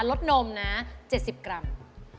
ลดนมนะ๗๐กรัม